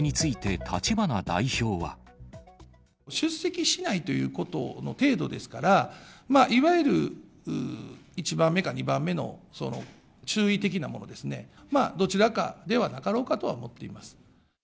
出席しないということの程度ですから、いわゆる１番目か２番目の、注意的なものですね、どちらかではなかろうかとは思っています。